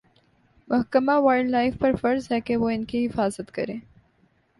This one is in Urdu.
محکمہ وائلڈ لائف پر فرض ہے کہ وہ ان کی حفاظت کریں